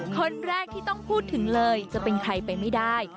คนแรกที่ต้องพูดถึงเลยจะเป็นใครไปไม่ได้